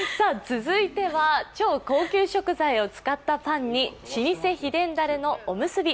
続いては超高級食材を使ったパンに老舗秘伝だれのおむすび。